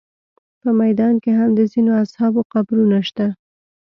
په میدان کې هم د ځینو اصحابو قبرونه شته.